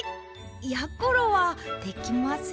やころはできません。